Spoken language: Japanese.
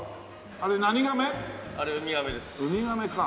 あれウミガメです。